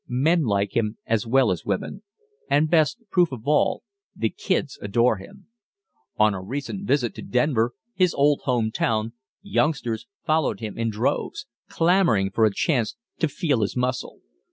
Men like him as well as women, and, best proof of all, the "kids" adore him. On a recent visit to Denver, his old home town, youngsters followed him in droves, clamoring for a chance to "feel his muscle."